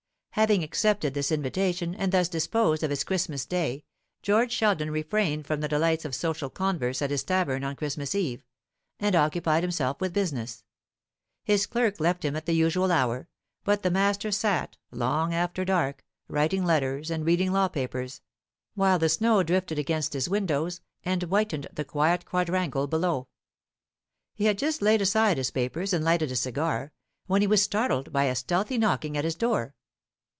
Having accepted this invitation, and thus disposed of his Christmas day, George Sheldon refrained from the delights of social converse at his tavern on Christmas eve, and occupied himself with business. His clerk left him at the usual hour; but the master sat, long after dark, writing letters and reading law papers, while the snow drifted against his windows and whitened the quiet quadrangle below. He had just laid aside his papers and lighted a cigar, when he was startled by a stealthy knocking at his door.